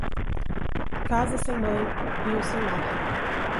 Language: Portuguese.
Casa sem mãe, rio sem mar.